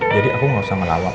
jadi aku gak usah ngelawat